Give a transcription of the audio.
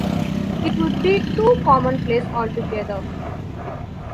It would be too commonplace altogether.